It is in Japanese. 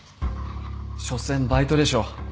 しょせんバイトでしょう。